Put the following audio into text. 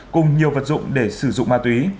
cùng nhiều vật dụng để sử dụng ma túy